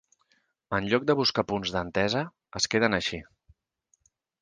En lloc de buscar punts d’entesa, es queden així.